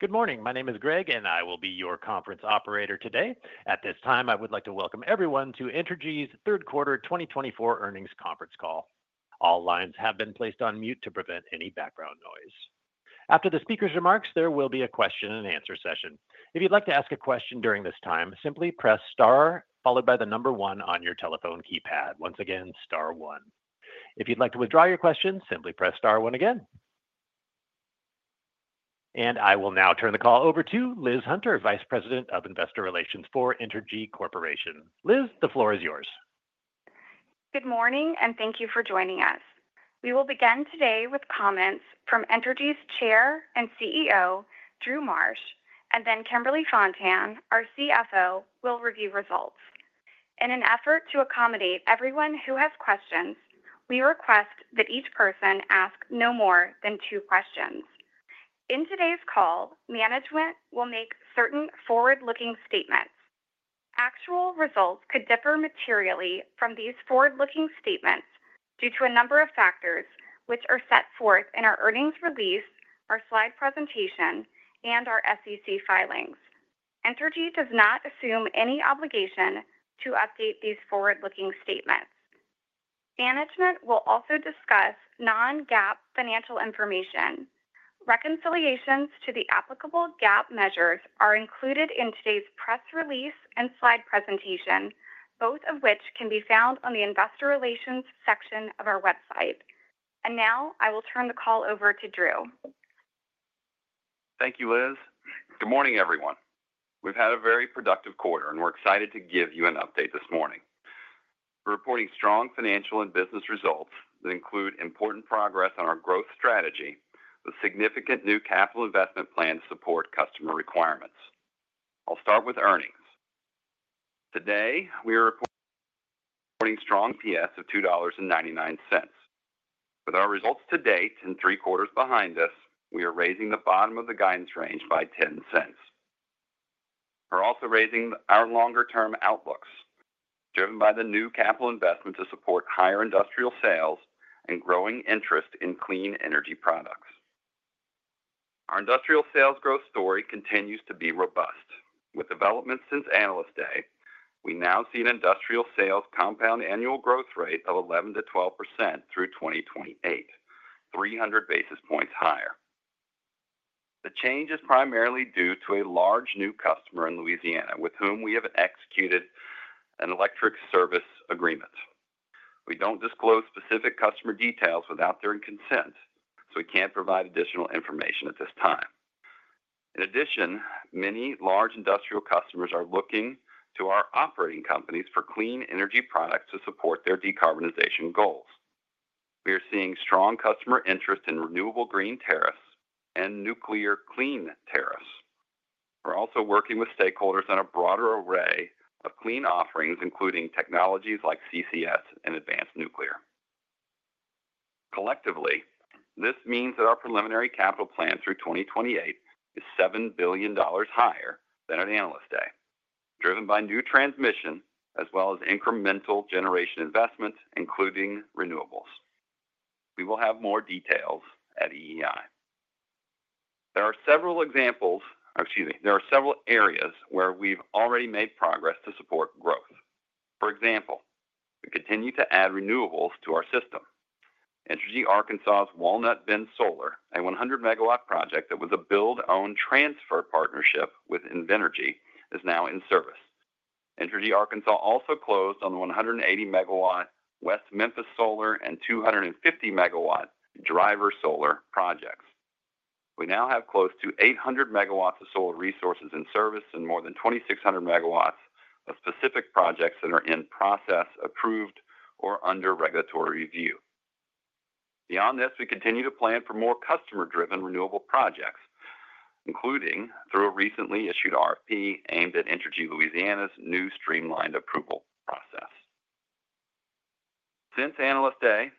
Good morning. My name is Greg, and I will be your conference operator today. At this time, I would like to welcome everyone to Entergy's Third Quarter 2024 Earnings Conference Call. All lines have been placed on mute to prevent any background noise. After the speakers' remarks, there will be a question-and-answer session. If you'd like to ask a question during this time, simply press star, followed by the number one on your telephone keypad. Once again, star one. If you'd like to withdraw your question, simply press star one again. And I will now turn the call over to Liz Hunter, Vice President of Investor Relations for Entergy Corporation. Liz, the floor is yours. Good morning, and thank you for joining us. We will begin today with comments from Entergy's Chair and CEO, Drew Marsh, and then Kimberly Fontan, our CFO, who will review results. In an effort to accommodate everyone who has questions, we request that each person ask no more than two questions. In today's call, management will make certain forward-looking statements. Actual results could differ materially from these forward-looking statements due to a number of factors, which are set forth in our earnings release, our slide presentation, and our SEC filings. Entergy does not assume any obligation to update these forward-looking statements. Management will also discuss non-GAAP financial information. Reconciliations to the applicable GAAP measures are included in today's press release and slide presentation, both of which can be found on the Investor Relations section of our website. And now I will turn the call over to Drew. Thank you, Liz. Good morning, everyone. We've had a very productive quarter, and we're excited to give you an update this morning. We're reporting strong financial and business results that include important progress on our growth strategy, with significant new capital investment plans to support customer requirements. I'll start with earnings. Today, we are reporting strong EPS of $2.99. With our results to date and three quarters behind us, we are raising the bottom of the guidance range by $0.10. We're also raising our longer-term outlooks, driven by the new capital investment to support higher industrial sales and growing interest in clean energy products. Our industrial sales growth story continues to be robust. With developments since Analyst Day, we now see an industrial sales compound annual growth rate of 11%-12% through 2028, 300 basis points higher. The change is primarily due to a large new customer in Louisiana with whom we have executed an electric service agreement. We don't disclose specific customer details without their consent, so we can't provide additional information at this time. In addition, many large industrial customers are looking to our operating companies for clean energy products to support their decarbonization goals. We are seeing strong customer interest in renewable green tariff and nuclear clean tariff. We're also working with stakeholders on a broader array of clean offerings, including technologies like CCS and advanced nuclear. Collectively, this means that our preliminary capital plan through 2028 is $7 billion higher than at Analyst Day, driven by new transmission as well as incremental generation investment, including renewables. We will have more details at EEI. There are several examples. Excuse me, there are several areas where we've already made progress to support growth. For example, we continue to add renewables to our system. Entergy Arkansas's Walnut Bend Solar, a 100 MW project that was a build-own-transfer partnership with Invenergy, is now in service. Entergy Arkansas also closed on the 180 MW West Memphis Solar and 250 MW Driver Solar projects. We now have close to 800 MW of solar resources in service and more than 2,600 MW of specific projects that are in process, approved, or under regulatory review. Beyond this, we continue to plan for more customer-driven renewable projects, including through a recently issued RFP aimed at Entergy Louisiana's new streamlined approval process. Since Analyst Day,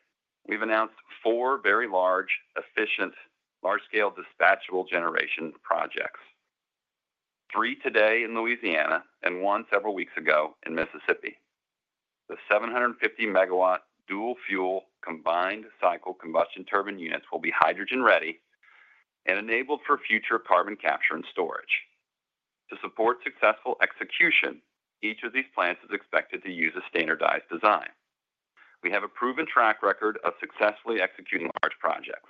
we've announced four very large, efficient, large-scale dispatchable generation projects: three today in Louisiana and one several weeks ago in Mississippi. The 750 MW dual-fuel combined cycle combustion turbine units will be hydrogen-ready and enabled for future carbon capture and storage. To support successful execution, each of these plants is expected to use a standardized design. We have a proven track record of successfully executing large projects.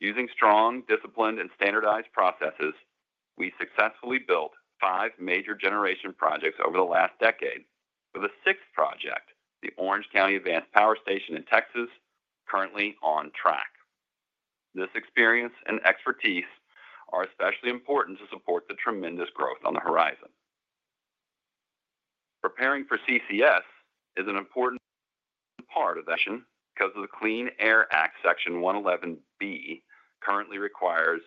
Using strong, disciplined, and standardized processes, we successfully built five major generation projects over the last decade, with the sixth project, the Orange County Advanced Power Station in Texas, currently on track. This experience and expertise are especially important to support the tremendous growth on the horizon. Preparing for CCS is an important part of the mission because of the Clean Air Act, Section 111(b), which currently requires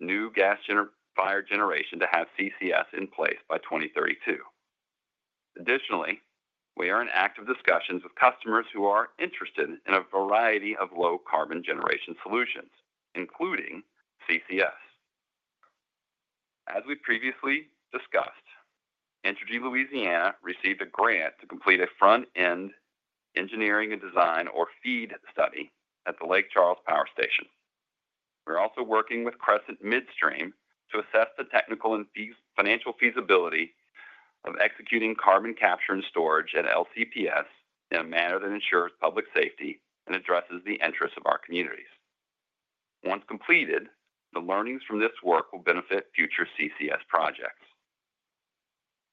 new gas-fired generation to have CCS in place by 2032. Additionally, we are in active discussions with customers who are interested in a variety of low-carbon generation solutions, including CCS. As we previously discussed, Entergy Louisiana received a grant to complete a front-end engineering and design, or FEED, study at the Lake Charles Power Station. We are also working with Crescent Midstream to assess the technical and financial feasibility of executing carbon capture and storage at LCPS in a manner that ensures public safety and addresses the interests of our communities. Once completed, the learnings from this work will benefit future CCS projects.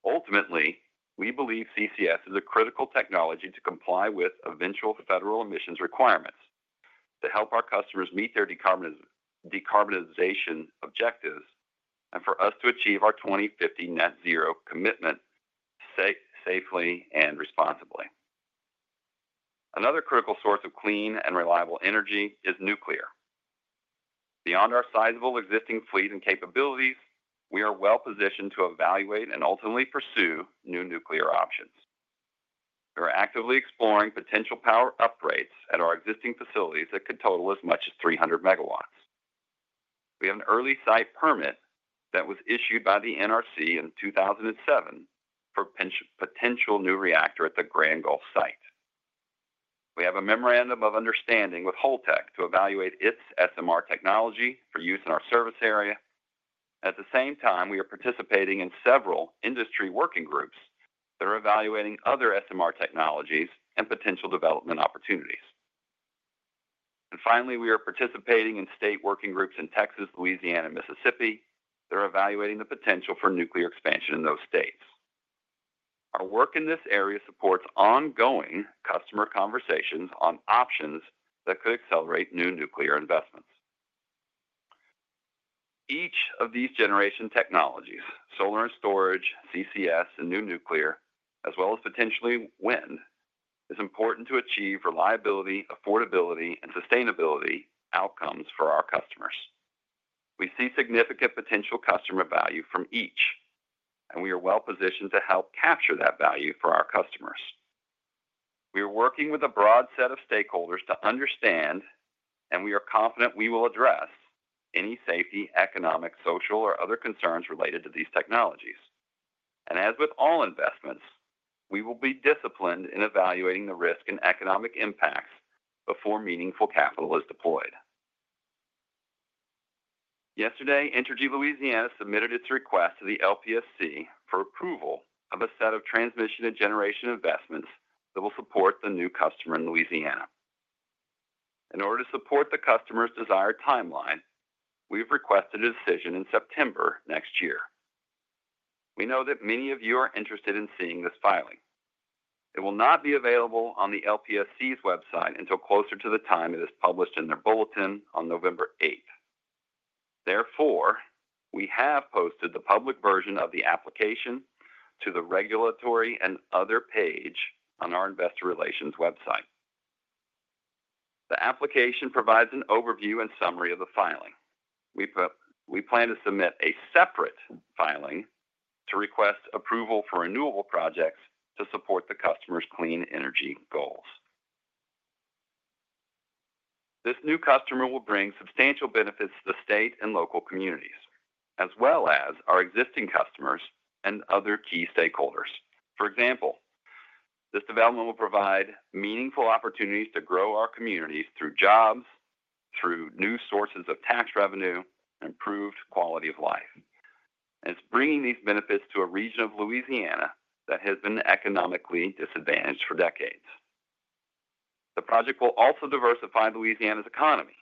Ultimately, we believe CCS is a critical technology to comply with eventual federal emissions requirements to help our customers meet their decarbonization objectives and for us to achieve our 2050 net-zero commitment safely and responsibly. Another critical source of clean and reliable energy is nuclear. Beyond our sizable existing fleet and capabilities, we are well-positioned to evaluate and ultimately pursue new nuclear options. We are actively exploring potential power upgrades at our existing facilities that could total as much as 300 MW. We have an early site permit that was issued by the NRC in 2007 for a potential new reactor at the Grand Gulf site. We have a memorandum of understanding with Holtec to evaluate its SMR technology for use in our service area. At the same time, we are participating in several industry working groups that are evaluating other SMR technologies and potential development opportunities, and finally, we are participating in state working groups in Texas, Louisiana, and Mississippi that are evaluating the potential for nuclear expansion in those states. Our work in this area supports ongoing customer conversations on options that could accelerate new nuclear investments. Each of these generation technologies, solar and storage, CCS, and new nuclear, as well as potentially wind, is important to achieve reliability, affordability, and sustainability outcomes for our customers. We see significant potential customer value from each, and we are well-positioned to help capture that value for our customers. We are working with a broad set of stakeholders to understand, and we are confident we will address any safety, economic, social, or other concerns related to these technologies. And as with all investments, we will be disciplined in evaluating the risk and economic impacts before meaningful capital is deployed. Yesterday, Entergy Louisiana submitted its request to the LPSC for approval of a set of transmission and generation investments that will support the new customer in Louisiana. In order to support the customer's desired timeline, we've requested a decision in September next year. We know that many of you are interested in seeing this filing. It will not be available on the LPSC's website until closer to the time it is published in their bulletin on November 8th. Therefore, we have posted the public version of the application to the Regulatory and Other page on our Investor Relations website. The application provides an overview and summary of the filing. We plan to submit a separate filing to request approval for renewable projects to support the customer's clean energy goals. This new customer will bring substantial benefits to the state and local communities, as well as our existing customers and other key stakeholders. For example, this development will provide meaningful opportunities to grow our communities through jobs, through new sources of tax revenue, and improved quality of life. It's bringing these benefits to a region of Louisiana that has been economically disadvantaged for decades. The project will also diversify Louisiana's economy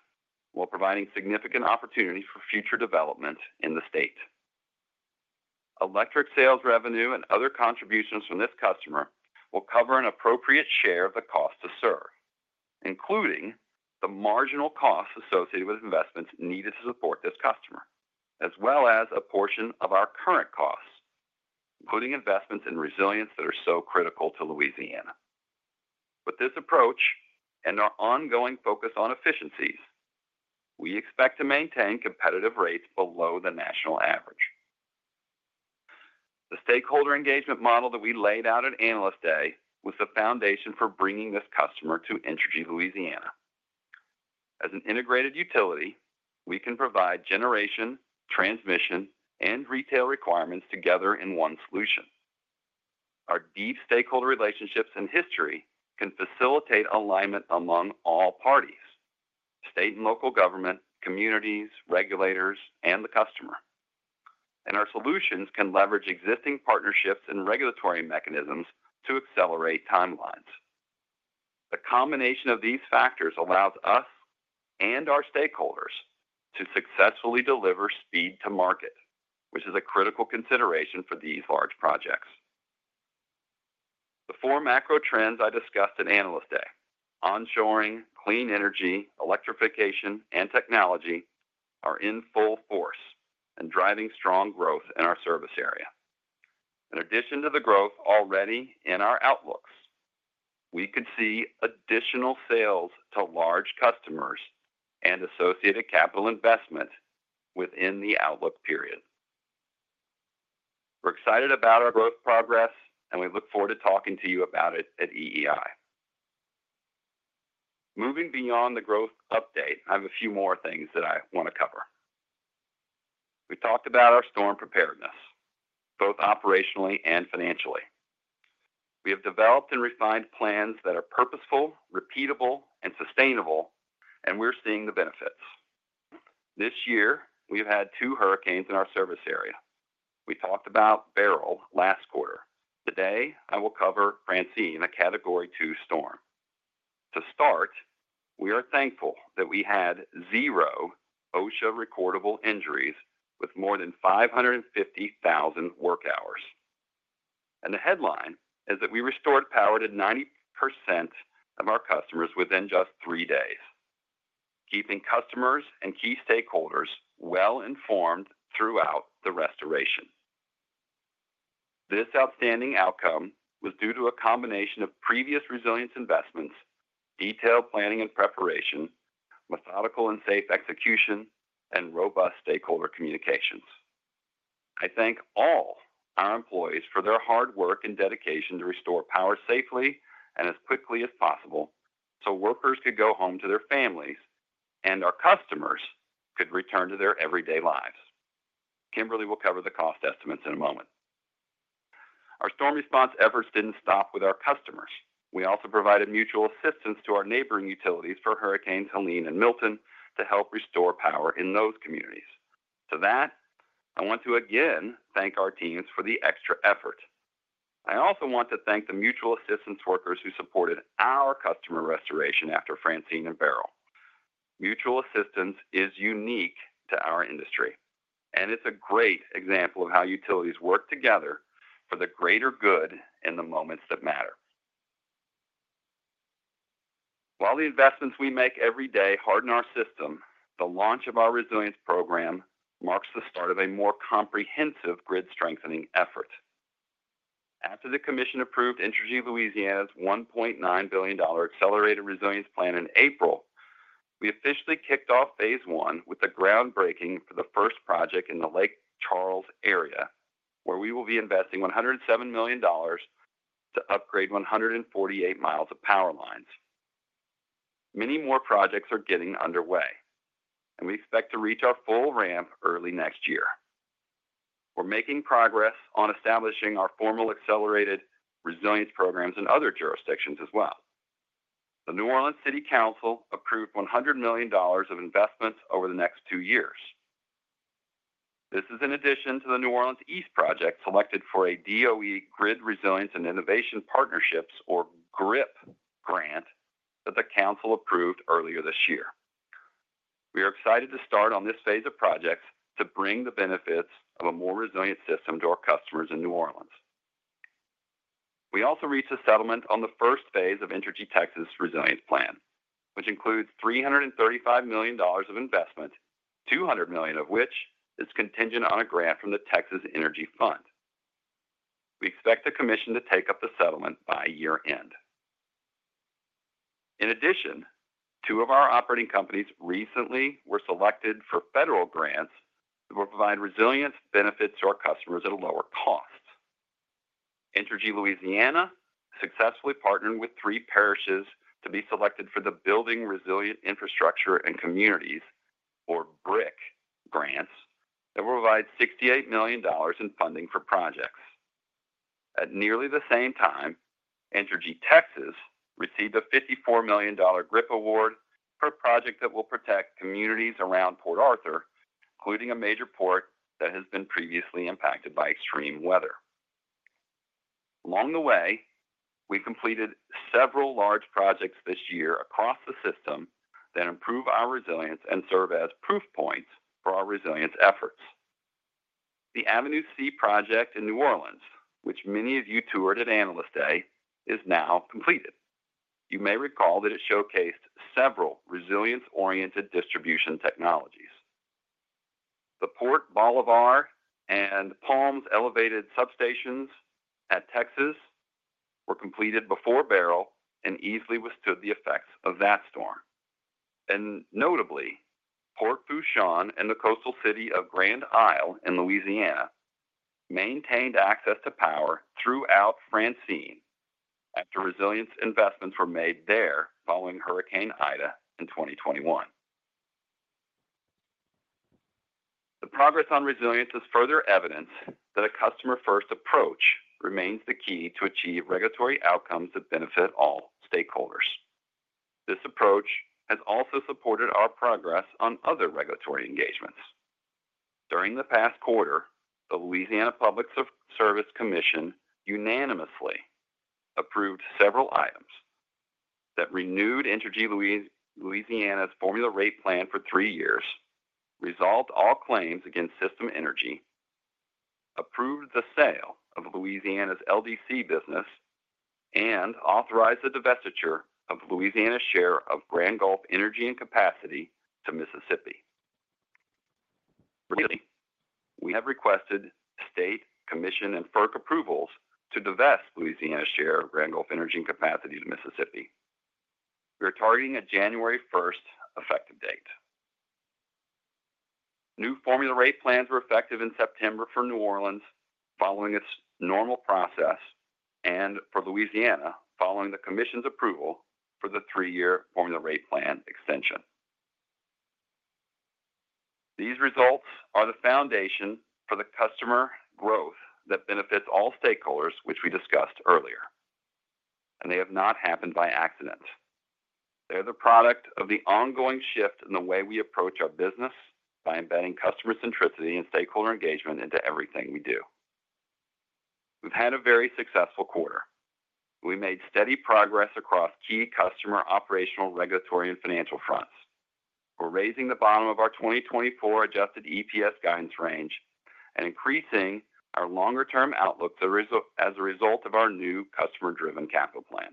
while providing significant opportunities for future development in the state. Electric sales revenue and other contributions from this customer will cover an appropriate share of the cost to serve, including the marginal costs associated with investments needed to support this customer, as well as a portion of our current costs, including investments in resilience that are so critical to Louisiana. With this approach and our ongoing focus on efficiencies, we expect to maintain competitive rates below the national average. The stakeholder engagement model that we laid out at Analyst Day was the foundation for bringing this customer to Entergy Louisiana. As an integrated utility, we can provide generation, transmission, and retail requirements together in one solution. Our deep stakeholder relationships and history can facilitate alignment among all parties: state and local government, communities, regulators, and the customer, and our solutions can leverage existing partnerships and regulatory mechanisms to accelerate timelines. The combination of these factors allows us and our stakeholders to successfully deliver speed to market, which is a critical consideration for these large projects. The four macro trends I discussed at Analyst Day, onshoring, clean energy, electrification, and technology, are in full force and driving strong growth in our service area. In addition to the growth already in our outlooks, we could see additional sales to large customers and associated capital investment within the outlook period. We're excited about our growth progress, and we look forward to talking to you about it at EEI. Moving beyond the growth update, I have a few more things that I want to cover. We talked about our storm preparedness, both operationally and financially. We have developed and refined plans that are purposeful, repeatable, and sustainable, and we're seeing the benefits. This year, we have had two hurricanes in our service area. We talked about Beryl last quarter. Today, I will cover Francine, a Category 2 storm. To start, we are thankful that we had zero OSHA recordable injuries with more than 550,000 work hours. And the headline is that we restored power to 90% of our customers within just three days, keeping customers and key stakeholders well informed throughout the restoration. This outstanding outcome was due to a combination of previous resilience investments, detailed planning and preparation, methodical and safe execution, and robust stakeholder communications. I thank all our employees for their hard work and dedication to restore power safely and as quickly as possible so workers could go home to their families and our customers could return to their everyday lives. Kimberly will cover the cost estimates in a moment. Our storm response efforts didn't stop with our customers. We also provided mutual assistance to our neighboring utilities for Hurricanes Helene and Milton to help restore power in those communities. To that, I want to again thank our teams for the extra effort. I also want to thank the mutual assistance workers who supported our customer restoration after Francine and Beryl. Mutual assistance is unique to our industry, and it's a great example of how utilities work together for the greater good in the moments that matter. While the investments we make every day harden our system, the launch of our resilience program marks the start of a more comprehensive grid-strengthening effort. After the Commission approved Entergy Louisiana's $1.9 billion accelerated resilience plan in April, we officially kicked off phase I with the groundbreaking for the first project in the Lake Charles area, where we will be investing $107 million to upgrade 148 miles of power lines. Many more projects are getting underway, and we expect to reach our full ramp early next year. We're making progress on establishing our formal accelerated resilience programs in other jurisdictions as well. The New Orleans City Council approved $100 million of investments over the next two years. This is in addition to the New Orleans East project selected for a DOE Grid Resilience and Innovation Partnerships, or GRIP, grant that the Council approved earlier this year. We are excited to start on this phase of projects to bring the benefits of a more resilient system to our customers in New Orleans. We also reached a settlement on the first phase of Entergy Texas' resilience plan, which includes $335 million of investment, $200 million of which is contingent on a grant from the Texas Energy Fund. We expect the Commission to take up the settlement by year-end. In addition, two of our operating companies recently were selected for federal grants that will provide resilience benefits to our customers at a lower cost. Entergy Louisiana successfully partnered with three parishes to be selected for the Building Resilient Infrastructure and Communities, or BRIC, grants that will provide $68 million in funding for projects. At nearly the same time, Entergy Texas received a $54 million GRIP award for a project that will protect communities around Port Arthur, including a major port that has been previously impacted by extreme weather. Along the way, we completed several large projects this year across the system that improve our resilience and serve as proof points for our resilience efforts. The Avenue C project in New Orleans, which many of you toured at Analyst Day, is now completed. You may recall that it showcased several resilience-oriented distribution technologies. The Port Bolivar and Palms elevated substations in Texas were completed before Beryl and easily withstood the effects of that storm. Notably, Port Fourchon and the coastal city of Grand Isle in Louisiana maintained access to power throughout Francine after resilience investments were made there following Hurricane Ida in 2021. The progress on resilience is further evidence that a customer-first approach remains the key to achieve regulatory outcomes that benefit all stakeholders. This approach has also supported our progress on other regulatory engagements. During the past quarter, the Louisiana Public Service Commission unanimously approved several items that renewed Entergy Louisiana's formula rate plan for three years, resolved all claims against System Energy, approved the sale of Louisiana's LDC business, and authorized the divestiture of Louisiana's share of Grand Gulf energy and capacity to Mississippi. Briefly, we have requested state, commission, and FERC approvals to divest Louisiana's share of Grand Gulf energy and capacity to Mississippi. We are targeting a January 1st effective date. New formula rate plans were effective in September for New Orleans following its normal process and for Louisiana following the Commission's approval for the three-year formula rate plan extension. These results are the foundation for the customer growth that benefits all stakeholders, which we discussed earlier, and they have not happened by accident. They are the product of the ongoing shift in the way we approach our business by embedding customer centricity and stakeholder engagement into everything we do. We've had a very successful quarter. We made steady progress across key customer, operational, regulatory, and financial fronts. We're raising the bottom of our 2024 adjusted EPS guidance range and increasing our longer-term outlook as a result of our new customer-driven capital plan.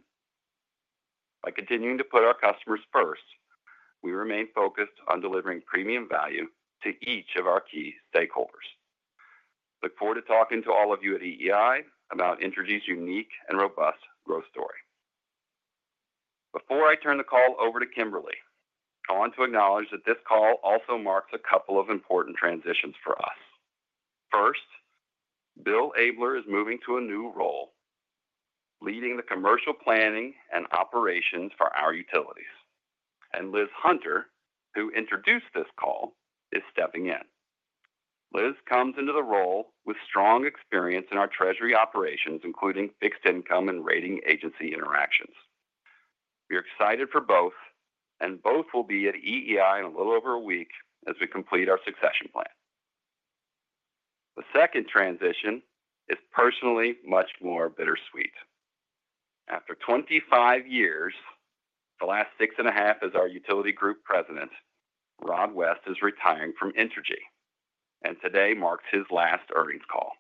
By continuing to put our customers first, we remain focused on delivering premium value to each of our key stakeholders. Look forward to talking to all of you at EEI about Entergy's unique and robust growth story. Before I turn the call over to Kimberly, I want to acknowledge that this call also marks a couple of important transitions for us. First, Bill Abler is moving to a new role leading the commercial planning and operations for our utilities. And Liz Hunter, who introduced this call, is stepping in. Liz comes into the role with strong experience in our treasury operations, including fixed income and rating agency interactions. We are excited for both, and both will be at EEI in a little over a week as we complete our succession plan. The second transition is personally much more bittersweet. After 25 years, the last six and a half as our Utility Group President, Rod West is retiring from Entergy, and today marks his last earnings call.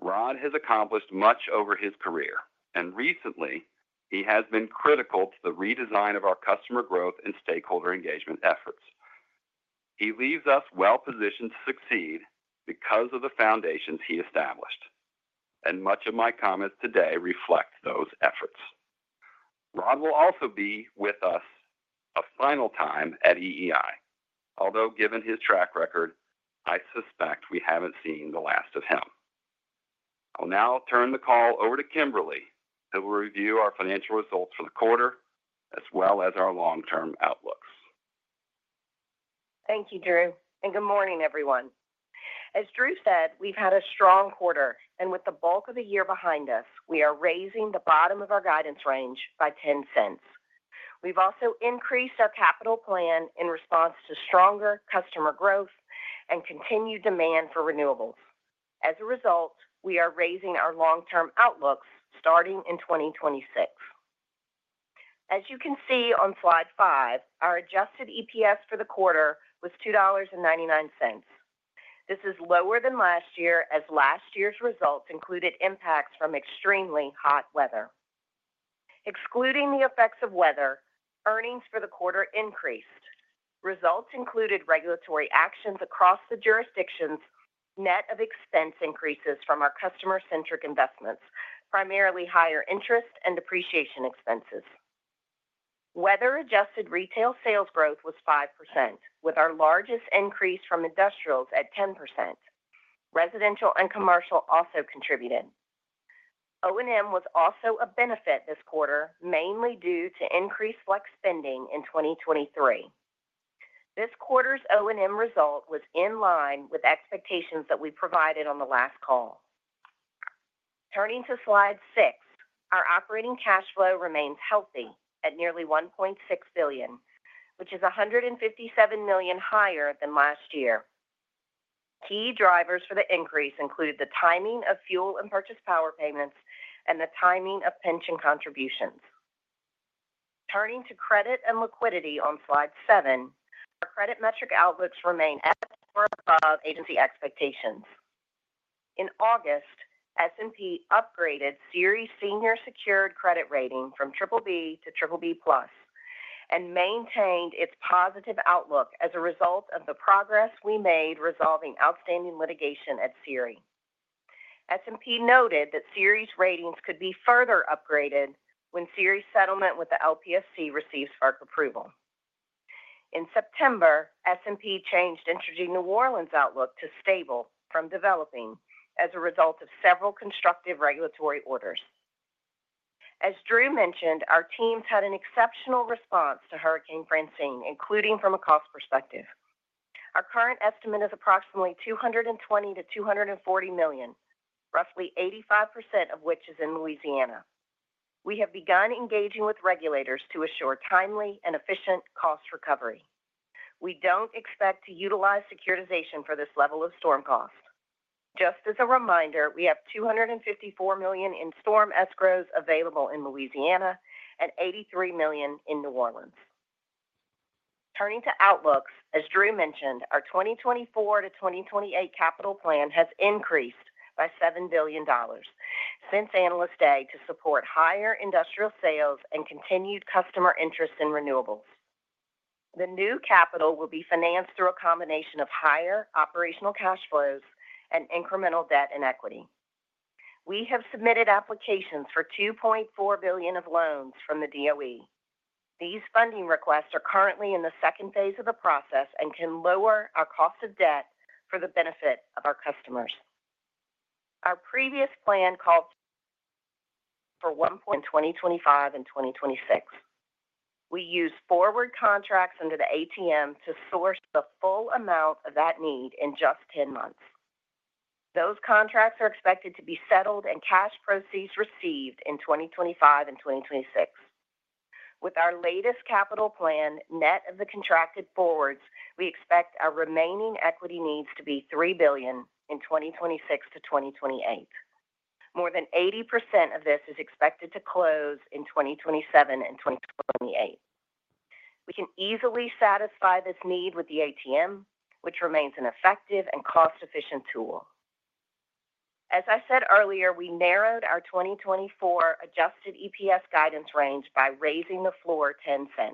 Rod has accomplished much over his career, and recently, he has been critical to the redesign of our customer growth and stakeholder engagement efforts. He leaves us well-positioned to succeed because of the foundations he established, and much of my comments today reflect those efforts. Rod will also be with us a final time at EEI, although given his track record, I suspect we haven't seen the last of him. I'll now turn the call over to Kimberly, who will review our financial results for the quarter as well as our long-term outlooks. Thank you, Drew, and good morning, everyone. As Drew said, we've had a strong quarter, and with the bulk of the year behind us, we are raising the bottom of our guidance range by $0.10. We've also increased our capital plan in response to stronger customer growth and continued demand for renewables. As a result, we are raising our long-term outlooks starting in 2026. As you can see on slide five, our adjusted EPS for the quarter was $2.99. This is lower than last year as last year's results included impacts from extremely hot weather. Excluding the effects of weather, earnings for the quarter increased. Results included regulatory actions across the jurisdictions, net of expense increases from our customer-centric investments, primarily higher interest and depreciation expenses. Weather-adjusted retail sales growth was 5%, with our largest increase from industrials at 10%. Residential and commercial also contributed. O&M was also a benefit this quarter, mainly due to increased flex spending in 2023. This quarter's O&M result was in line with expectations that we provided on the last call. Turning to slide 6, our operating cash flow remains healthy at nearly $1.6 billion, which is $157 million higher than last year. Key drivers for the increase included the timing of fuel and purchase power payments and the timing of pension contributions. Turning to credit and liquidity on slide seven, our credit metric outlooks remain at or above agency expectations. In August, S&P upgraded Entergy's senior secured credit rating from BBB to BBB+ and maintained its positive outlook as a result of the progress we made resolving outstanding litigation at Entergy. S&P noted that SERI's ratings could be further upgraded when SERI's settlement with the LPSC receives FERC approval. In September, S&P changed Entergy New Orleans' outlook to stable from developing as a result of several constructive regulatory orders. As Drew mentioned, our teams had an exceptional response to Hurricane Francine, including from a cost perspective. Our current estimate is approximately $220 million-$240 million, roughly 85% of which is in Louisiana. We have begun engaging with regulators to assure timely and efficient cost recovery. We don't expect to utilize securitization for this level of storm cost. Just as a reminder, we have $254 million in storm escrows available in Louisiana and $83 million in New Orleans. Turning to outlooks, as Drew mentioned, our 2024 to 2028 capital plan has increased by $7 billion since Analyst Day to support higher industrial sales and continued customer interest in renewables. The new capital will be financed through a combination of higher operational cash flows and incremental debt and equity. We have submitted applications for $2.4 billion of loans from the DOE. These funding requests are currently in the second phase of the process and can lower our cost of debt for the benefit of our customers. Our previous plan called for $1.2 billion in 2025 and 2026. We used forward contracts under the ATM to source the full amount of that need in just 10 months. Those contracts are expected to be settled and cash proceeds received in 2025 and 2026. With our latest capital plan net of the contracted forwards, we expect our remaining equity needs to be $3 billion in 2026 to 2028. More than 80% of this is expected to close in 2027 and 2028. We can easily satisfy this need with the ATM, which remains an effective and cost-efficient tool. As I said earlier, we narrowed our 2024 adjusted EPS guidance range by raising the floor $0.10.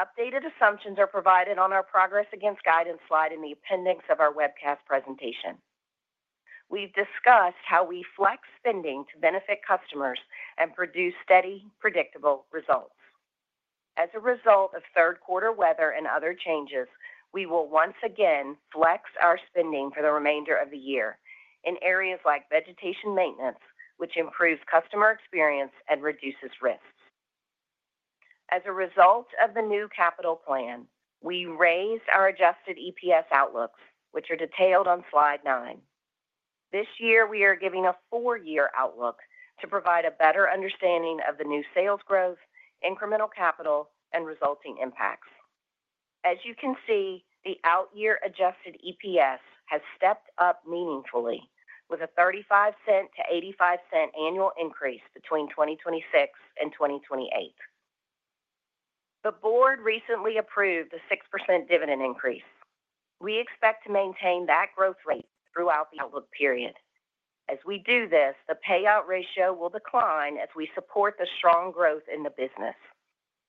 Updated assumptions are provided on our progress against guidance slide in the appendix of our webcast presentation. We've discussed how we flex spending to benefit customers and produce steady, predictable results. As a result of third-quarter weather and other changes, we will once again flex our spending for the remainder of the year in areas like vegetation maintenance, which improves customer experience and reduces risks. As a result of the new capital plan, we raised our adjusted EPS outlooks, which are detailed on slide 9. This year, we are giving a full-year outlook to provide a better understanding of the new sales growth, incremental capital, and resulting impacts. As you can see, the out-year adjusted EPS has stepped up meaningfully with a $0.35 to $0.85 annual increase between 2026 and 2028. The board recently approved a 6% dividend increase. We expect to maintain that growth rate throughout the outlook period. As we do this, the payout ratio will decline as we support the strong growth in the business.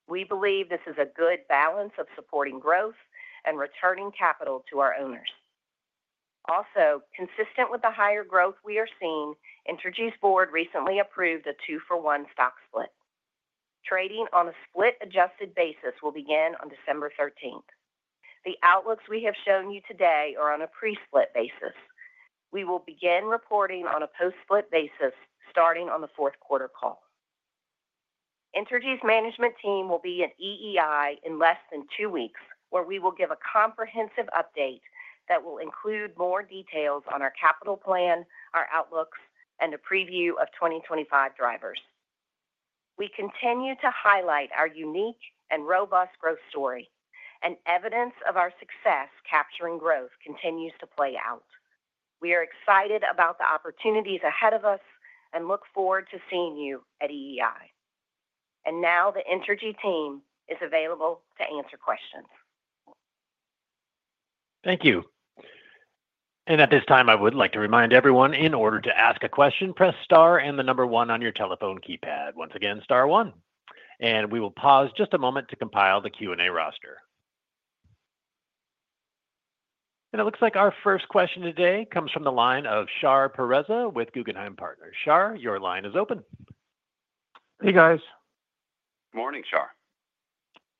We believe this is a good balance of supporting growth and returning capital to our owners. Also, consistent with the higher growth we are seeing, Entergy's board recently approved a 2:1 stock split. Trading on a split-adjusted basis will begin on December 13th. The outlooks we have shown you today are on a pre-split basis. We will begin reporting on a post-split basis starting on the fourth quarter call. Entergy's management team will be at EEI in less than two weeks, where we will give a comprehensive update that will include more details on our capital plan, our outlooks, and a preview of 2025 drivers. We continue to highlight our unique and robust growth story, and evidence of our success capturing growth continues to play out. We are excited about the opportunities ahead of us and look forward to seeing you at EEI. And now the Entergy team is available to answer questions. Thank you. And at this time, I would like to remind everyone in order to ask a question, press star and the number one on your telephone keypad. Once again, star one. And we will pause just a moment to compile the Q&A roster. And it looks like our first question today comes from the line of Shar Pourreza with Guggenheim Partners. Shar, your line is open. Hey, guys. Good morning, Shar.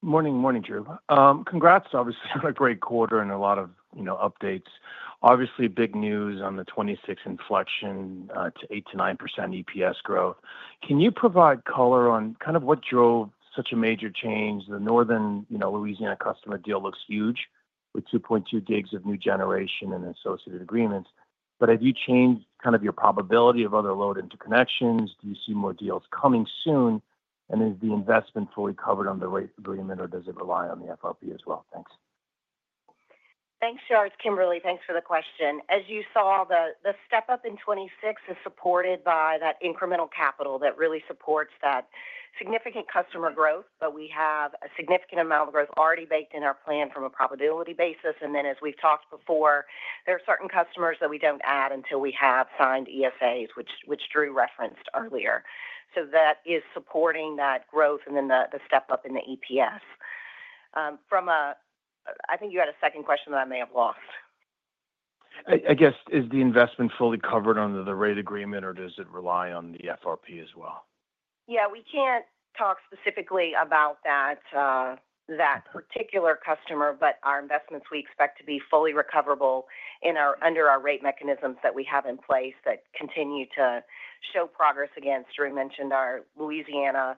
Morning, morning, Drew. Congrats, obviously, on a great quarter and a lot of updates. Obviously, big news on the 2026 inflection to 8%-9% EPS growth. Can you provide color on kind of what drove such a major change? The northern Louisiana customer deal looks huge with 2.2 gigs of new generation and associated agreements. But have you changed kind of your probability of other load interconnections? Do you see more deals coming soon? And is the investment fully covered under the rate agreement, or does it rely on the FRP as well? Thanks. Thanks, Shar. It's Kimberly. Thanks for the question. As you saw, the step-up in 2026 is supported by that incremental capital that really supports that significant customer growth. But we have a significant amount of growth already baked in our plan from a probability basis. And then, as we've talked before, there are certain customers that we don't add until we have signed ESAs, which Drew referenced earlier. So that is supporting that growth and then the step-up in the EPS. I think you had a second question that I may have lost. I guess, is the investment fully covered under the rate agreement, or does it rely on the FRP as well? Yeah, we can't talk specifically about that particular customer, but our investments, we expect to be fully recoverable under our rate mechanisms that we have in place that continue to show progress against. Drew mentioned our Louisiana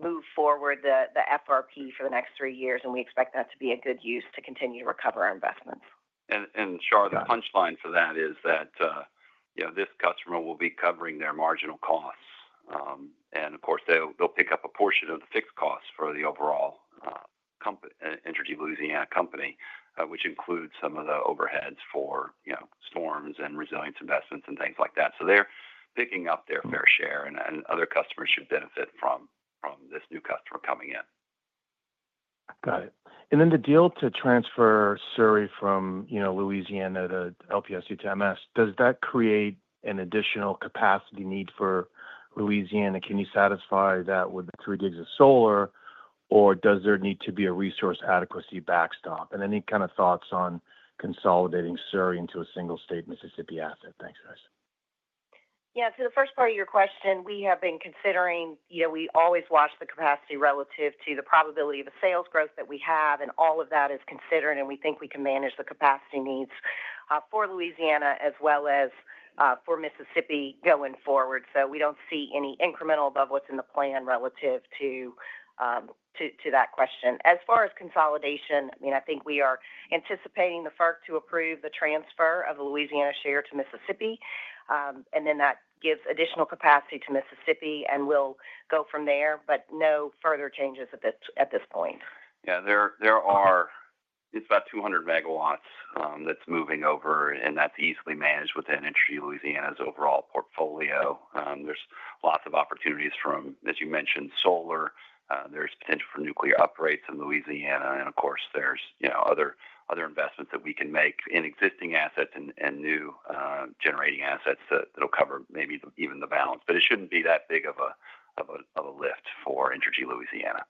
move forward the FRP for the next three years, and we expect that to be a good use to continue to recover our investments. And Shar, the punchline for that is that this customer will be covering their marginal costs. And of course, they'll pick up a portion of the fixed costs for the overall Entergy Louisiana company, which includes some of the overheads for storms and resilience investments and things like that. So they're picking up their fair share, and other customers should benefit from this new customer coming in. Got it. And then the deal to transfer Waterford from Louisiana to LPSC to MS, does that create an additional capacity need for Louisiana? Can you satisfy that with the three GW of solar, or does there need to be a resource adequacy backstop? And any kind of thoughts on consolidating Waterford into a single-state Mississippi asset? Thanks, guys. Yeah, to the first part of your question, we have been considering. We always watch the capacity relative to the probability of the sales growth that we have, and all of that is considered, and we think we can manage the capacity needs for Louisiana as well as for Mississippi going forward. So we don't see any incremental above what's in the plan relative to that question. As far as consolidation, I mean, I think we are anticipating the FERC to approve the transfer of the Louisiana share to Mississippi, and then that gives additional capacity to Mississippi and will go from there, but no further changes at this point. Yeah, there. It's about 200 MW that's moving over, and that's easily managed within Entergy Louisiana's overall portfolio. There's lots of opportunities from, as you mentioned, solar. There's potential for nuclear upgrades in Louisiana, and of course, there's other investments that we can make in existing assets and new generating assets that'll cover maybe even the balance. But it shouldn't be that big of a lift for Entergy Louisiana.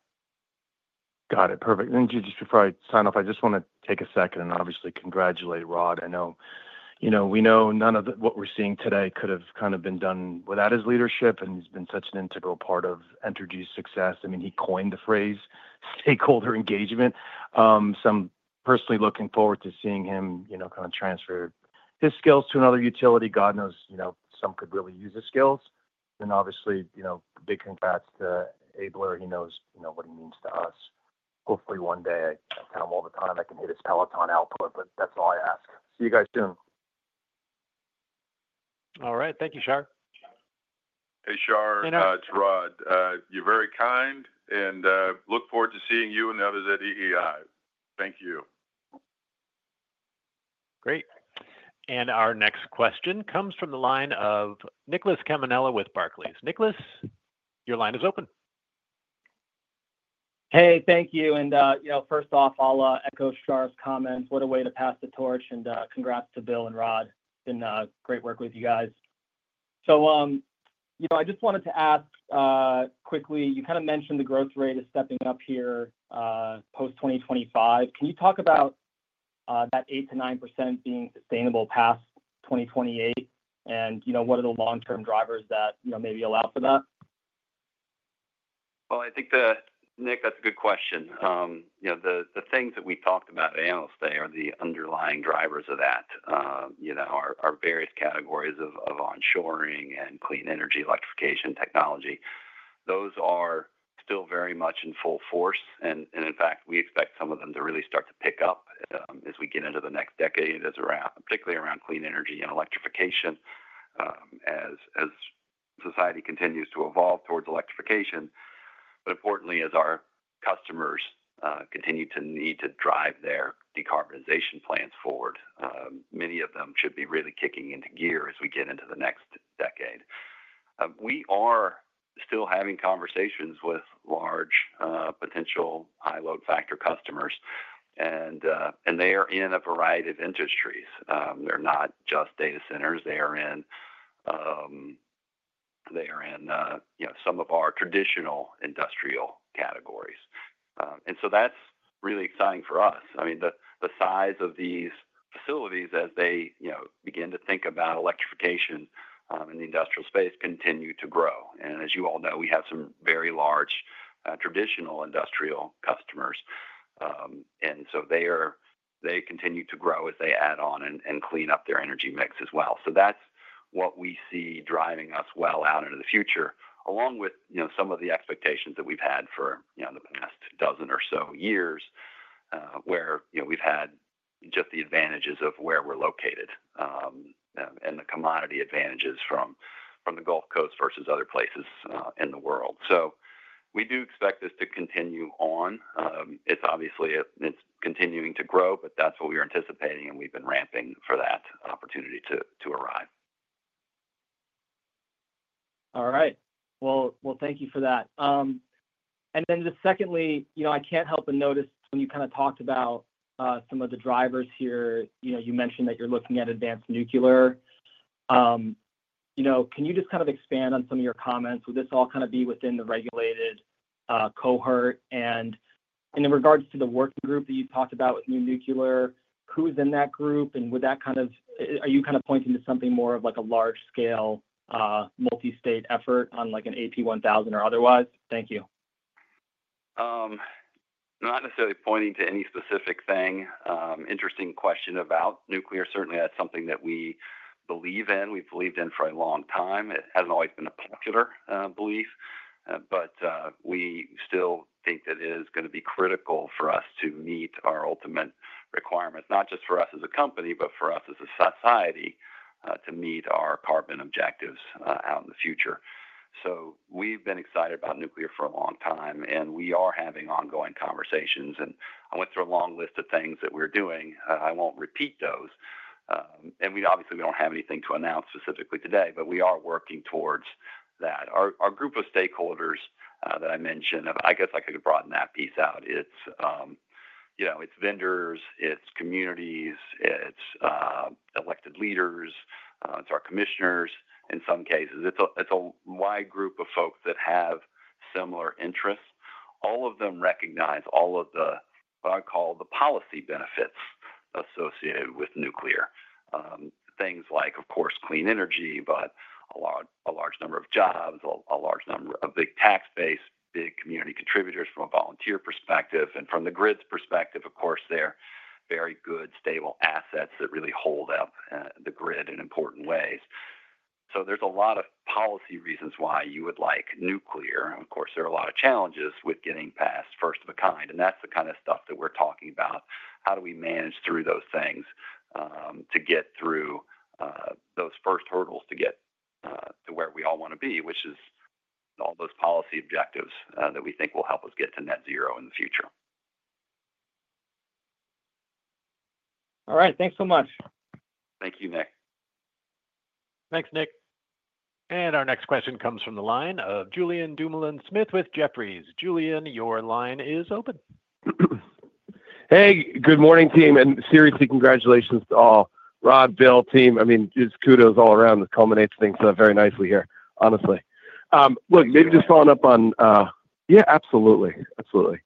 Got it. Perfect. And just before I sign off, I just want to take a second and obviously congratulate Rod. I know we know none of what we're seeing today could have kind of been done without his leadership, and he's been such an integral part of Entergy's success. I mean, he coined the phrase stakeholder engagement. So I'm personally looking forward to seeing him kind of transfer his skills to another utility. God knows some could really use his skills. And obviously, big congrats to Abler. He knows what he means to us. Hopefully, one day, I can have him all the time. I can hit his Peloton output, but that's all I ask. See you guys soon. All right. Thank you, Shar. Hey, Shar. It's Rod. You're very kind, and look forward to seeing you and the others at EEI. Thank you. Great. And our next question comes from the line of Nicholas Campanella with Barclays. Nicholas, your line is open. Hey, thank you. And first off, I'll echo Shar's comments. What a way to pass the torch. And congrats to Bill and Rod and great work with you guys. So I just wanted to ask quickly, you kind of mentioned the growth rate is stepping up here post-2025. Can you talk about that 8%-9% being sustainable past 2028? And what are the long-term drivers that maybe allow for that? Well, I think, Nick, that's a good question. The things that we talked about at Analyst Day are the underlying drivers of that, our various categories of onshoring and clean energy electrification technology. Those are still very much in full force. And in fact, we expect some of them to really start to pick up as we get into the next decade, particularly around clean energy and electrification as society continues to evolve towards electrification. But importantly, as our customers continue to need to drive their decarbonization plans forward, many of them should be really kicking into gear as we get into the next decade. We are still having conversations with large potential high-load factor customers, and they are in a variety of industries. They're not just data centers. They are in some of our traditional industrial categories. And so that's really exciting for us. I mean, the size of these facilities as they begin to think about electrification in the industrial space continue to grow. And as you all know, we have some very large traditional industrial customers. And so they continue to grow as they add on and clean up their energy mix as well. So that's what we see driving us well out into the future, along with some of the expectations that we've had for the past dozen or so years where we've had just the advantages of where we're located and the commodity advantages from the Gulf Coast versus other places in the world. So we do expect this to continue on. It's obviously continuing to grow, but that's what we are anticipating, and we've been ramping for that opportunity to arrive. All right. Well, thank you for that. And then secondly, I can't help but notice when you kind of talked about some of the drivers here, you mentioned that you're looking at advanced nuclear. Can you just kind of expand on some of your comments? Will this all kind of be within the regulated cohort? And in regards to the working group that you talked about with new nuclear, who's in that group? And would that kind of, are you kind of pointing to something more of a large-scale multi-state effort on an AP1000 or otherwise? Thank you. Not necessarily pointing to any specific thing. Interesting question about nuclear. Certainly, that's something that we believe in. We've believed in for a long time. It hasn't always been a popular belief, but we still think that it is going to be critical for us to meet our ultimate requirements, not just for us as a company, but for us as a society to meet our carbon objectives out in the future. So we've been excited about nuclear for a long time, and we are having ongoing conversations. And I went through a long list of things that we're doing. I won't repeat those. And obviously, we don't have anything to announce specifically today, but we are working towards that. Our group of stakeholders that I mentioned, I guess I could broaden that piece out. It's vendors, it's communities, it's elected leaders, it's our commissioners in some cases. It's a wide group of folks that have similar interests. All of them recognize all of the what I call the policy benefits associated with nuclear. Things like, of course, clean energy, but a large number of jobs, a large number of big tax base, big community contributors from a volunteer perspective. And from the grid's perspective, of course, they're very good, stable assets that really hold up the grid in important ways. So there's a lot of policy reasons why you would like nuclear. And of course, there are a lot of challenges with getting past first of a kind. And that's the kind of stuff that we're talking about. How do we manage through those things to get through those first hurdles to get to where we all want to be, which is all those policy objectives that we think will help us get to net zero in the future. All right. Thanks so much. Thank you, Nick. Thanks, Nick. And our next question comes from the line of Julien Dumoulin-Smith with Jefferies. Julien, your line is open. Hey, good morning, team. And seriously, congratulations to all. Rod, Bill, team, I mean, just kudos all around. This culminates things so very nicely here, honestly. Look, maybe just following up on yeah, absolutely. Absolutely.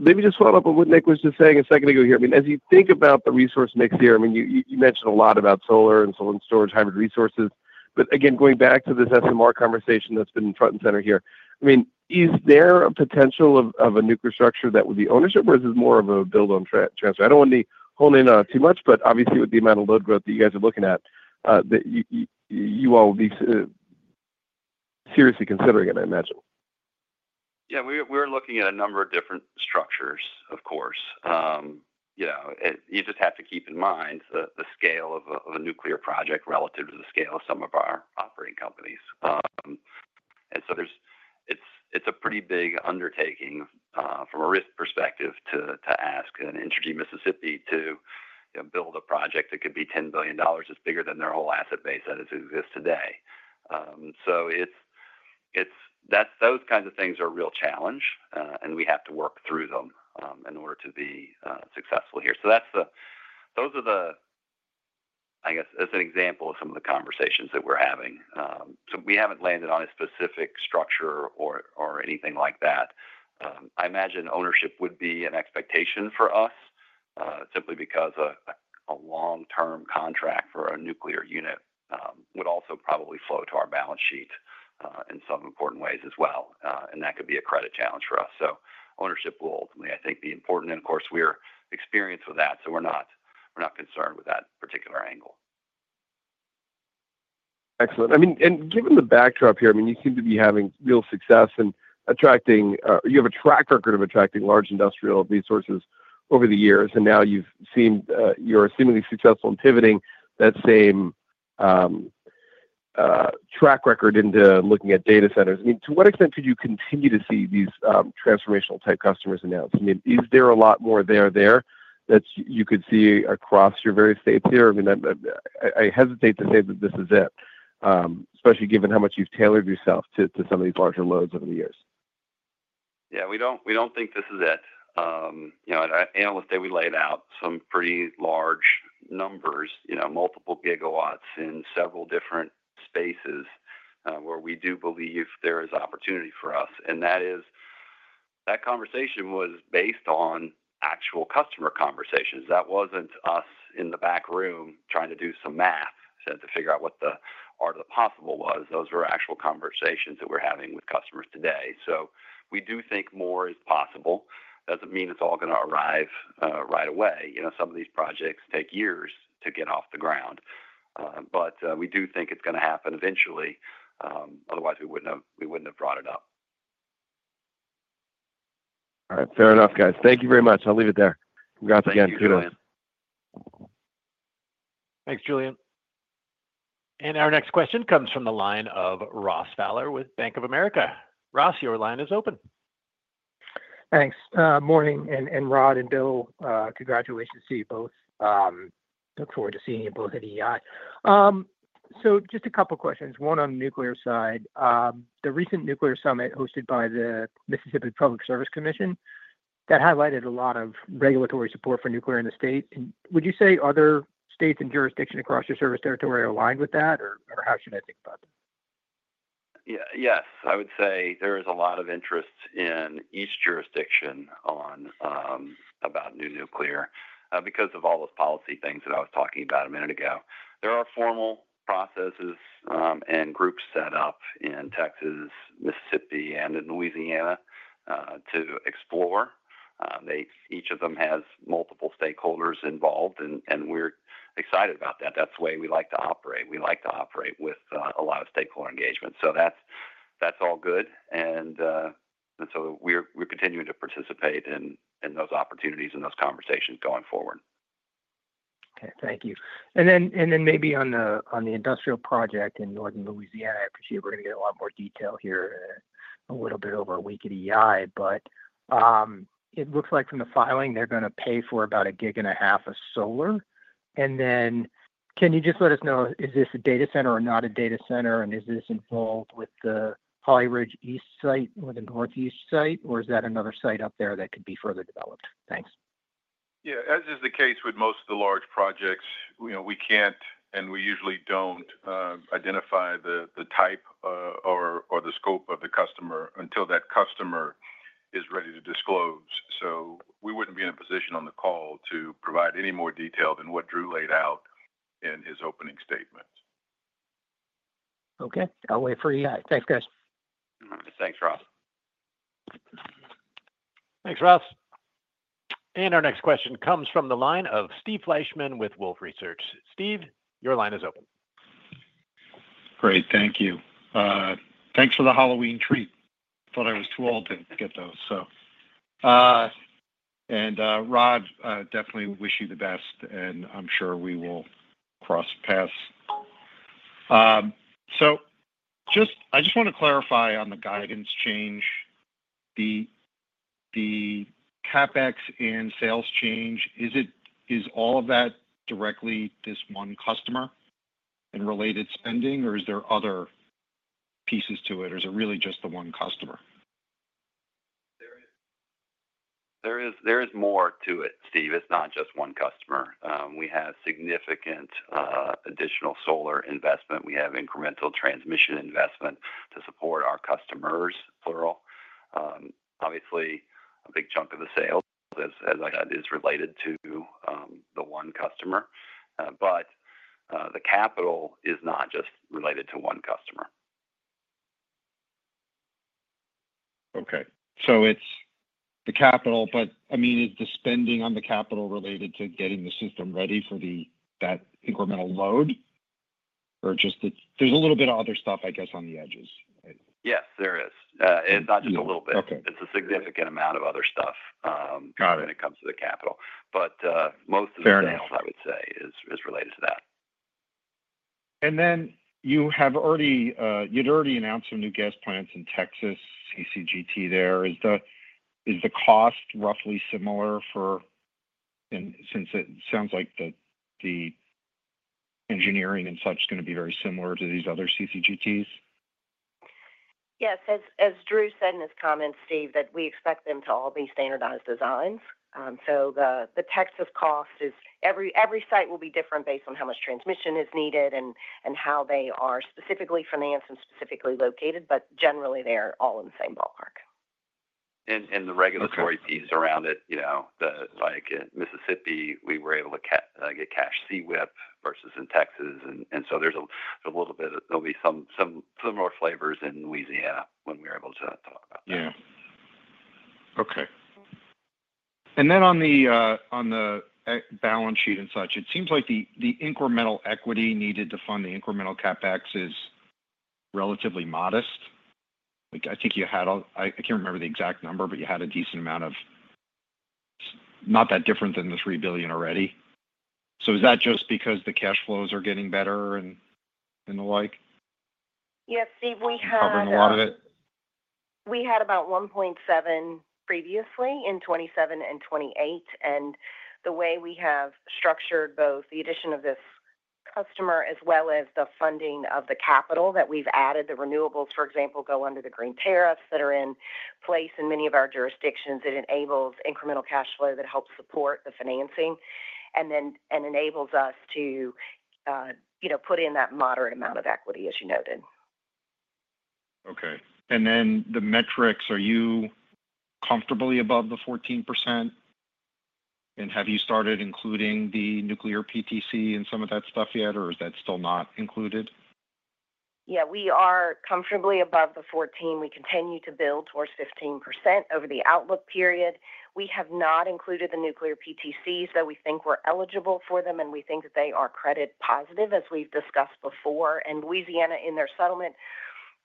Maybe just following up on what Nick was just saying a second ago here. I mean, as you think about the resource mix here, I mean, you mentioned a lot about solar and solar and storage hybrid resources. But again, going back to this SMR conversation that's been front and center here, I mean, is there a potential of a nuclear structure that would be ownership, or is it more of a build-on transfer? I don't want to be honing in on it too much, but obviously, with the amount of load growth that you guys are looking at, you all will be seriously considering it, I imagine. Yeah, we're looking at a number of different structures, of course. You just have to keep in mind the scale of a nuclear project relative to the scale of some of our operating companies. And so it's a pretty big undertaking from a risk perspective to ask Entergy Mississippi to build a project that could be $10 billion. It's bigger than their whole asset base that exists today. So those kinds of things are a real challenge, and we have to work through them in order to be successful here. So those are the, I guess, as an example of some of the conversations that we're having. So we haven't landed on a specific structure or anything like that. I imagine ownership would be an expectation for us simply because a long-term contract for a nuclear unit would also probably flow to our balance sheet in some important ways as well. And that could be a credit challenge for us. So ownership will ultimately, I think, be important. And of course, we're experienced with that, so we're not concerned with that particular angle. Excellent. I mean, and given the backdrop here, I mean, you seem to be having real success in attracting. You have a track record of attracting large industrial resources over the years. And now you're seemingly successful in pivoting that same track record into looking at data centers. I mean, to what extent could you continue to see these transformational-type customers announced? I mean, is there a lot more there there that you could see across your various states here? I mean, I hesitate to say that this is it, especially given how much you've tailored yourself to some of these larger loads over the years. Yeah, we don't think this is it. At Analyst Day, we laid out some pretty large numbers, multiple gigawatts in several different spaces where we do believe there is opportunity for us. And that conversation was based on actual customer conversations. That wasn't us in the back room trying to do some math to figure out what the art of the possible was. Those were actual conversations that we're having with customers today. So we do think more is possible. Doesn't mean it's all going to arrive right away. Some of these projects take years to get off the ground. But we do think it's going to happen eventually. Otherwise, we wouldn't have brought it up. All right. Fair enough, guys. Thank you very much. I'll leave it there. Congrats again. Thanks, Julien. Thanks, Julian. And our next question comes from the line of Ross Fowler with Bank of America. Ross, your line is open. Thanks. Morning, Rod and Bill. Congratulations to you both. Look forward to seeing you both at EEI. So just a couple of questions. One on the nuclear side. The recent nuclear summit hosted by the Mississippi Public Service Commission that highlighted a lot of regulatory support for nuclear in the state. Would you say other states and jurisdictions across your service territory are aligned with that, or how should I think about that? Yes. I would say there is a lot of interest in each jurisdiction about new nuclear because of all those policy things that I was talking about a minute ago. There are formal processes and groups set up in Texas, Mississippi, and in Louisiana to explore. Each of them has multiple stakeholders involved, and we're excited about that. That's the way we like to operate. We like to operate with a lot of stakeholder engagement. So that's all good. And so we're continuing to participate in those opportunities and those conversations going forward. Okay. Thank you. And then maybe on the industrial project in northern Louisiana, I appreciate we're going to get a lot more detail here in a little bit over a week at EEI, but it looks like from the filing, they're going to pay for about a gig and a half of solar. And then, can you just let us know, is this a data center or not a data center, and is this involved with the Holly Ridge East site or the Northeast site, or is that another site up there that could be further developed? Thanks. Yeah. As is the case with most of the large projects, we can't and we usually don't identify the type or the scope of the customer until that customer is ready to disclose. So we wouldn't be in a position on the call to provide any more detail than what Drew laid out in his opening statement. Okay. I'll wait for EEI. Thanks, guys. Thanks, Ross. Thanks, Ross. And our next question comes from the line of Steve Fleishman with Wolfe Research. Steve, your line is open. Great. Thank you. Thanks for the Halloween tree. Thought I was too old to get those, so. And Rod, definitely wish you the best, and I'm sure we will cross paths. So I just want to clarify on the guidance change. The CapEx and sales change, is all of that directly this one customer and related spending, or is there other pieces to it, or is it really just the one customer? There is more to it, Steve. It's not just one customer. We have significant additional solar investment. We have incremental transmission investment to support our customers, plural. Obviously, a big chunk of the sales, as I said, is related to the one customer. But the capital is not just related to one customer. Okay. So it's the capital, but I mean, is the spending on the capital related to getting the system ready for that incremental load, or just there's a little bit of other stuff, I guess, on the edges? Yes, there is. It's not just a little bit. It's a significant amount of other stuff when it comes to the capital. But most of the sales, I would say, is related to that. And then you had already announced some new gas plants in Texas, CCGT there. Is the cost roughly similar since it sounds like the engineering and such is going to be very similar to these other CCGTs? Yes. As Drew said in his comments, Steve, that we expect them to all be standardized designs. So the Texas cost is every site will be different based on how much transmission is needed and how they are specifically financed and specifically located. But generally, they're all in the same ballpark. And the regulatory piece around it, like Mississippi, we were able to get cash CWIP versus in Texas. And so there's a little bit of there'll be some similar flavors in Louisiana when we're able to talk about that. Yeah. Okay. And then on the balance sheet and such, it seems like the incremental equity needed to fund the incremental CapEx is relatively modest. I think you had a, I can't remember the exact number, but you had a decent amount of not that different than the $3 billion already. So is that just because the cash flows are getting better and the like? Yes, Steve. We have-- A lot of it. We had about $1.7 billion previously in 2027 and 2028. And the way we have structured both the addition of this customer as well as the funding of the capital that we've added, the renewables, for example, go under the green tariffs that are in place in many of our jurisdictions. It enables incremental cash flow that helps support the financing and enables us to put in that moderate amount of equity, as you noted. Okay. And then the metrics, are you comfortably above the 14%? And have you started including the nuclear PTC and some of that stuff yet, or is that still not included? Yeah. We are comfortably above the 14%. We continue to build towards 15% over the outlook period. We have not included the nuclear PTCs, though we think we're eligible for them, and we think that they are credit positive, as we've discussed before. And Louisiana, in their settlement,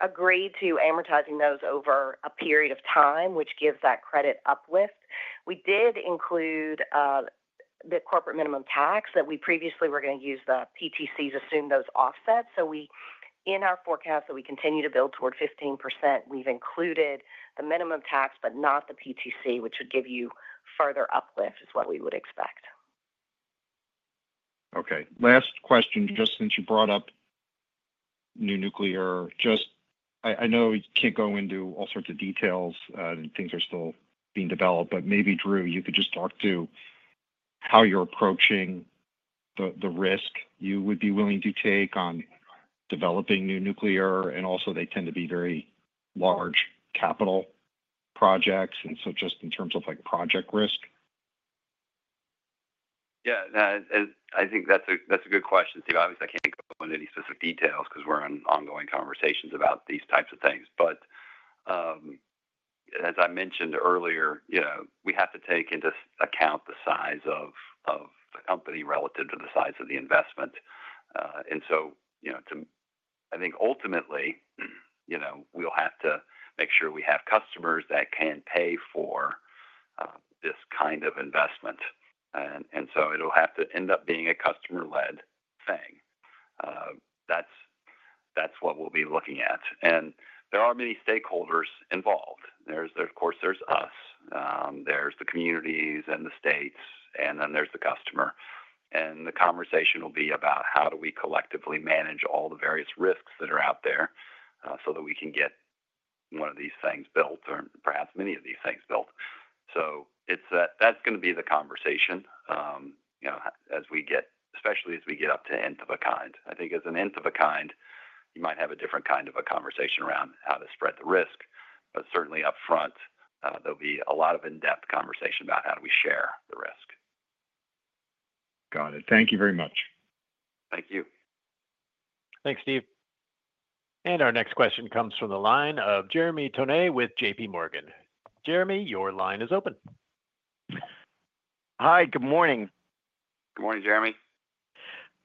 agreed to amortizing those over a period of time, which gives that credit uplift. We did include the corporate minimum tax that we previously were going to use the PTCs assumed those offsets. So in our forecast that we continue to build toward 15%, we've included the minimum tax, but not the PTC, which would give you further uplift is what we would expect. Okay. Last question, just since you brought up new nuclear. Just I know we can't go into all sorts of details and things are still being developed, but maybe Drew, you could just talk to how you're approaching the risk you would be willing to take on developing new nuclear and also they tend to be very large capital projects and so just in terms of project risk. Yeah. I think that's a good question, Steve. Obviously, I can't go into any specific details because we're in ongoing conversations about these types of things but as I mentioned earlier, we have to take into account the size of the company relative to the size of the investment. And so I think ultimately, we'll have to make sure we have customers that can pay for this kind of investment. And so it'll have to end up being a customer-led thing. That's what we'll be looking at. And there are many stakeholders involved. Of course, there's us. There's the communities and the states, and then there's the customer. And the conversation will be about how do we collectively manage all the various risks that are out there so that we can get one of these things built or perhaps many of these things built. So that's going to be the conversation as we get, especially as we get up to end of decade. I think as an end of decade, you might have a different kind of a conversation around how to spread the risk. But certainly upfront, there'll be a lot of in-depth conversation about how do we share the risk. Got it. Thank you very much. Thank you. Thanks, Steve. And our next question comes from the line of Jeremy Tonet with J.P. Morgan. Jeremy, your line is open. Hi. Good morning. Good morning, Jeremy.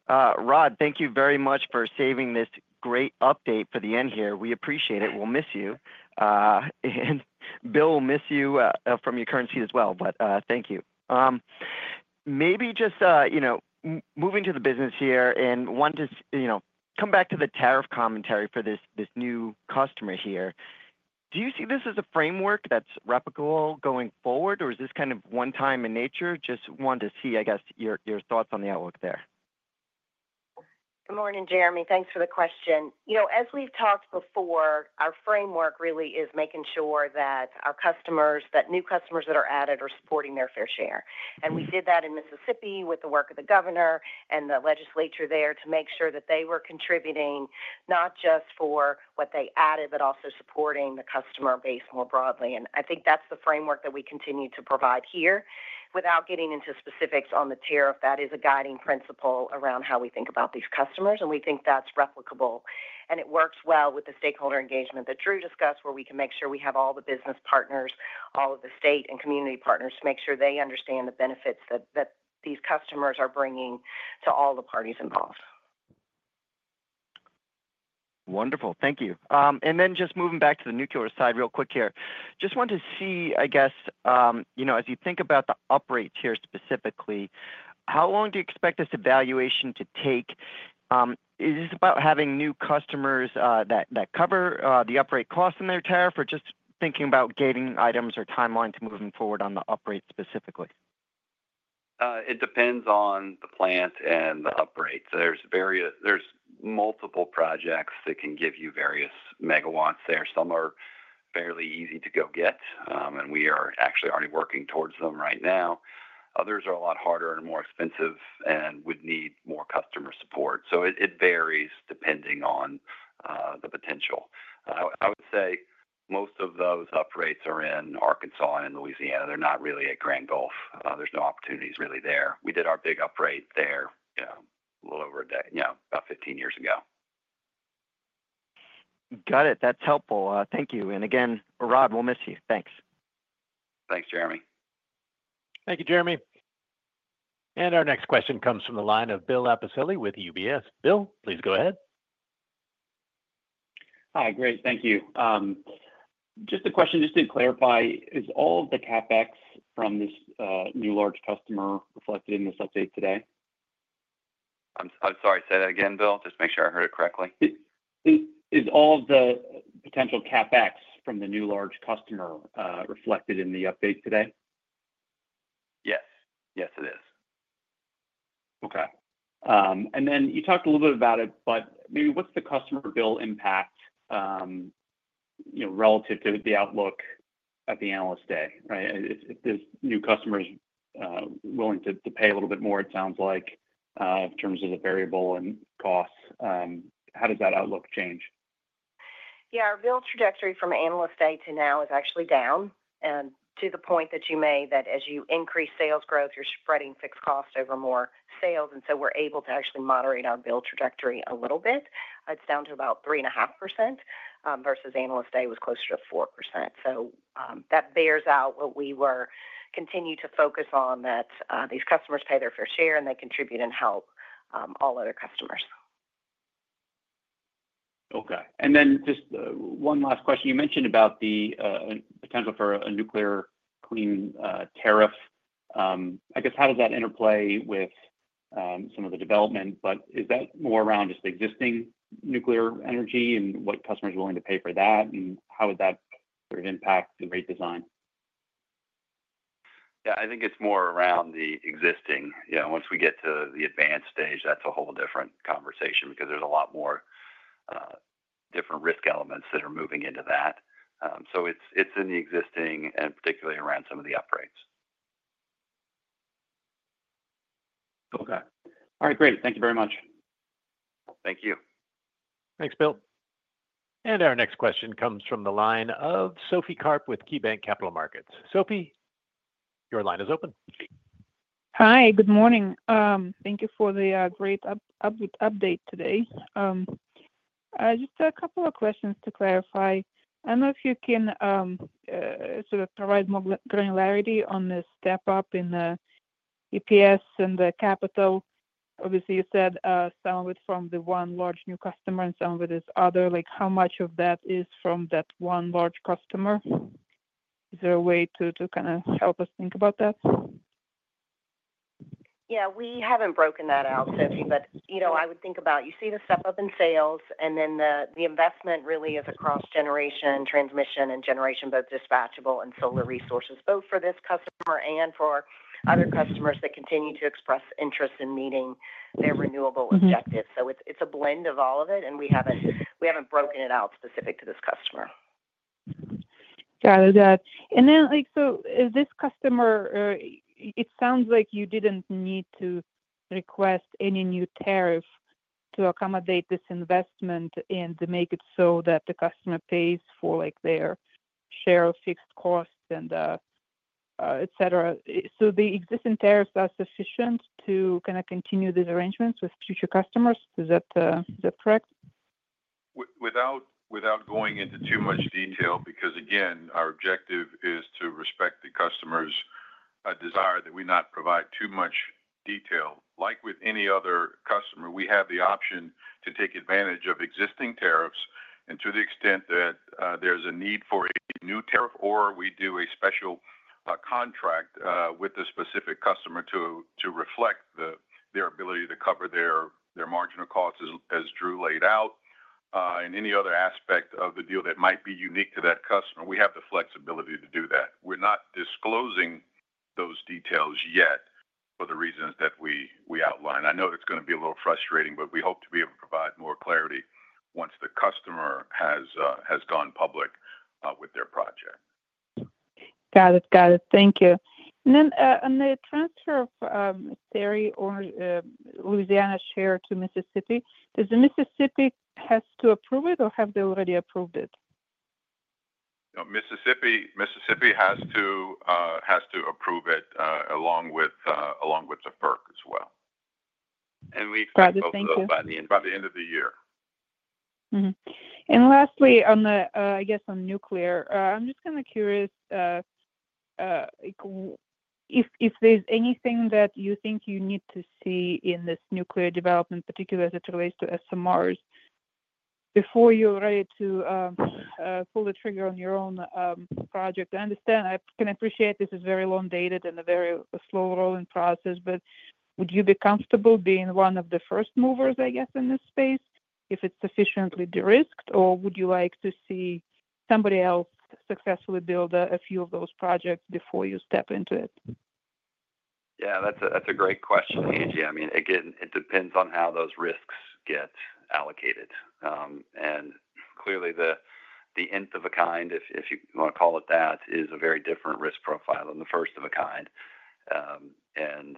Rod, thank you very much for saving this great update for the end here. We appreciate it. We'll miss you. And Bill will miss you in your current capacity as well, but thank you. Maybe just moving to the business here and wanted to come back to the tariff commentary for this new customer here. Do you see this as a framework that's replicable going forward, or is this kind of one-time in nature? Just wanted to see, I guess, your thoughts on the outlook there. Good morning, Jeremy. Thanks for the question. As we've talked before, our framework really is making sure that our customers, that new customers that are added, are supporting their fair share. And we did that in Mississippi with the work of the governor and the legislature there to make sure that they were contributing not just for what they added, but also supporting the customer base more broadly. And I think that's the framework that we continue to provide here without getting into specifics on the tariff. That is a guiding principle around how we think about these customers, and we think that's replicable. And it works well with the stakeholder engagement that Drew discussed, where we can make sure we have all the business partners, all of the state and community partners to make sure they understand the benefits that these customers are bringing to all the parties involved. Wonderful. Thank you. And then just moving back to the nuclear side real quick here. Just wanted to see, I guess, as you think about the uprate here specifically, how long do you expect this evaluation to take? Is this about having new customers that cover the uprate cost in their tariff, or just thinking about gating items or timeline to moving forward on the uprate specifically? It depends on the plant and the uprate. There's multiple projects that can give you various megawatts there. Some are fairly easy to go get, and we are actually already working towards them right now. Others are a lot harder and more expensive and would need more customer support. So it varies depending on the potential. I would say most of those uprates are in Arkansas and Louisiana. They're not really at Grand Gulf. There's no opportunities really there. We did our big uprate there a little over a day, about 15 years ago. Got it. That's helpful. Thank you. And again, Rod, we'll miss you. Thanks. Thanks, Jeremy. Thank you, Jeremy. And our next question comes from the line of William Appicelli with UBS. Bill, please go ahead. Hi. Great. Thank you. Just a question just to clarify. Is all of the CapEx from this new large customer reflected in this update today? I'm sorry. Say that again, Bill, just to make sure I heard it correctly. Is all of the potential CapEx from the new large customer reflected in the update today? Yes. Yes, it is. Okay. And then you talked a little bit about it, but maybe what's the customer bill impact relative to the outlook at the Analyst Day, right? If this new customer is willing to pay a little bit more, it sounds like, in terms of the variable and cost, how does that outlook change? Yeah. Our bill trajectory from Analyst Day to now is actually down to the point that you may that as you increase sales growth, you're spreading fixed costs over more sales. And so we're able to actually moderate our bill trajectory a little bit. It's down to about 3.5% versus Analyst Day was closer to 4%. So that bears out what we were continued to focus on, that these customers pay their fair share and they contribute and help all other customers. Okay. And then just one last question. You mentioned about the potential for a nuclear clean tariff. I guess how does that interplay with some of the development, but is that more around just existing nuclear energy and what customers are willing to pay for that, and how would that sort of impact the rate design? Yeah. I think it's more around the existing. Once we get to the advanced stage, that's a whole different conversation because there's a lot more different risk elements that are moving into that. So it's in the existing and particularly around some of the uprates. Okay. All right. Great. Thank you very much. Thank you. Thanks, Bill. And our next question comes from the line of Sophie Karp with KeyBanc Capital Markets. Sophie, your line is open. Hi. Good morning. Thank you for the great update today. Just a couple of questions to clarify. I don't know if you can sort of provide more granularity on the step-up in the EPS and the capital. Obviously, you said some of it from the one large new customer and some of it is other. How much of that is from that one large new customer? Is there a way to kind of help us think about that? Yeah. We haven't broken that out, Sophie, but I would think about you see the step-up in sales, and then the investment really is across generation transmission and generation both dispatchable and solar resources, both for this customer and for other customers that continue to express interest in meeting their renewable objectives. So it's a blend of all of it, and we haven't broken it out specific to this customer. Got it. And then so this customer, it sounds like you didn't need to request any new tariff to accommodate this investment and to make it so that the customer pays for their share of fixed costs and etc. So the existing tariffs are sufficient to kind of continue these arrangements with future customers. Is that correct? Without going into too much detail because, again, our objective is to respect the customer's desire that we not provide too much detail. Like with any other customer, we have the option to take advantage of existing tariffs and to the extent that there's a need for a new tariff, or we do a special contract with a specific customer to reflect their ability to cover their marginal costs, as Drew laid out, in any other aspect of the deal that might be unique to that customer. We have the flexibility to do that. We're not disclosing those details yet for the reasons that we outline. I know it's going to be a little frustrating, but we hope to be able to provide more clarity once the customer has gone public with their project. Got it. Thank you. And then on the transfer of Missouri or Louisiana share to Mississippi, does the Mississippi has to approve it, or have they already approved it? Mississippi has to approve it along with the FERC as well. And we expect to approve by the end of the year. And lastly, I guess on nuclear, I'm just kind of curious if there's anything that you think you need to see in this nuclear development, particularly as it relates to SMRs, before you're ready to pull the trigger on your own project. I understand. I can appreciate this is very long-dated and a very slow-rolling process, but would you be comfortable being one of the first movers, I guess, in this space if it's sufficiently de-risked, or would you like to see somebody else successfully build a few of those projects before you step into it? Yeah. That's a great question, Angie. I mean, again, it depends on how those risks get allocated. And clearly, the Nth of a kind, if you want to call it that, is a very different risk profile than the first of a kind. And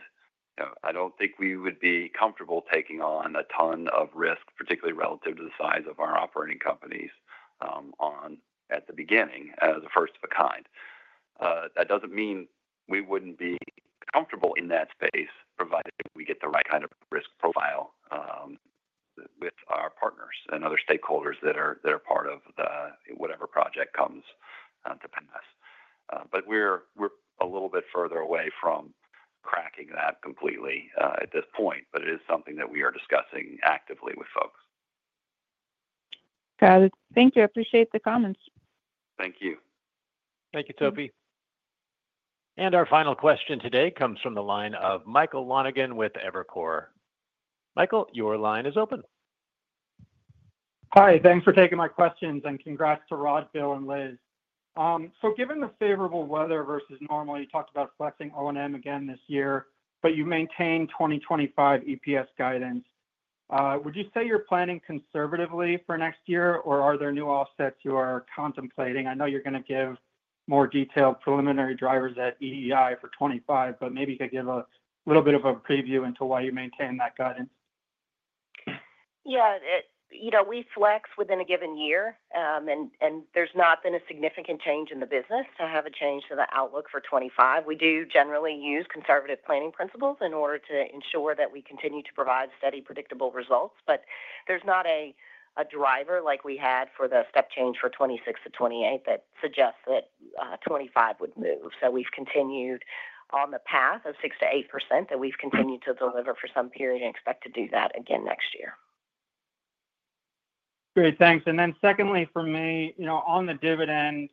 I don't think we would be comfortable taking on a ton of risk, particularly relative to the size of our operating companies at the beginning as a first of a kind. That doesn't mean we wouldn't be comfortable in that space, provided we get the right kind of risk profile with our partners and other stakeholders that are part of whatever project comes to pass. But we're a little bit further away from cracking that completely at this point, but it is something that we are discussing actively with folks. Got it. Thank you. Appreciate the comments. Thank you. Thank you, Sophie. And our final question today comes from the line of Michael Lonegan with Evercore ISI. Michael, your line is open. Hi. Thanks for taking my questions, and congrats to Rod, Bill, and Liz. So given the favorable weather versus normal, you talked about flexing O&M again this year, but you maintain 2025 EPS guidance. Would you say you're planning conservatively for next year, or are there new offsets you are contemplating? I know you're going to give more detailed preliminary drivers at EEI for 2025, but maybe you could give a little bit of a preview into why you maintain that guidance. Yeah. We flex within a given year, and there's not been a significant change in the business to have a change to the outlook for 2025. We do generally use conservative planning principles in order to ensure that we continue to provide steady, predictable results, but there's not a driver like we had for the step change for 2026 to 2028 that suggests that 2025 would move. So we've continued on the path of 6%-8% that we've continued to deliver for some period and expect to do that again next year. Great. Thanks. And then secondly, for me, on the dividend,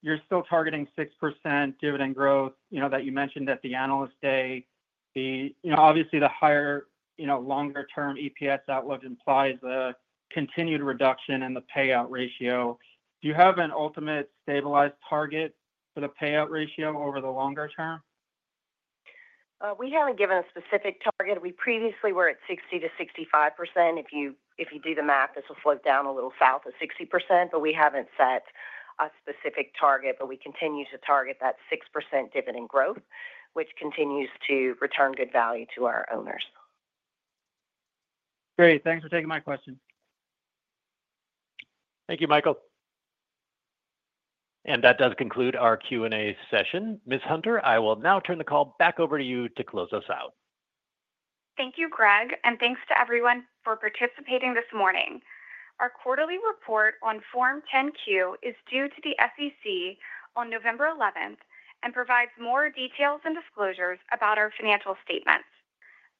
you're still targeting 6% dividend growth that you mentioned at the Analyst Day. Obviously, the higher longer-term EPS outlook implies the continued reduction in the payout ratio. Do you have an ultimate stabilized target for the payout ratio over the longer term? We haven't given a specific target. We previously were at 60% to 65%. If you do the math, this will slow down a little south of 60%, but we haven't set a specific target, but we continue to target that 6% dividend growth, which continues to return good value to our owners. Great. Thanks for taking my question. Thank you, Michael. And that does conclude our Q&A session. Ms. Hunter, I will now turn the call back over to you to close us out. Thank you, Greg, and thanks to everyone for participating this morning. Our quarterly report on Form 10-Q is due to the SEC on November 11th and provides more details and disclosures about our financial statements.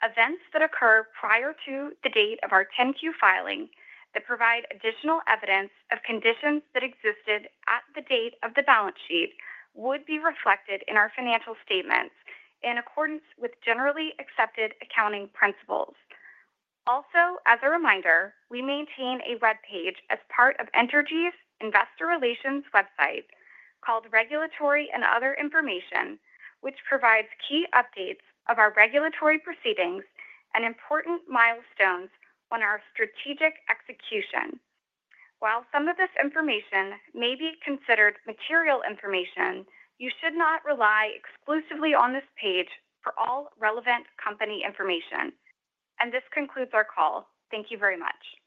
Events that occur prior to the date of our 10-Q filing that provide additional evidence of conditions that existed at the date of the balance sheet would be reflected in our financial statements in accordance with generally accepted accounting principles. Also, as a reminder, we maintain a webpage as part of Entergy's investor relations website called Regulatory and Other Information, which provides key updates of our regulatory proceedings and important milestones on our strategic execution. While some of this information may be considered material information, you should not rely exclusively on this page for all relevant company information. And this concludes our call. Thank you very much.